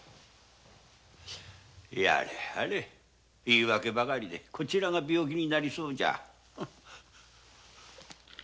言い訳ばかりでこちらが病気になりそうじゃ。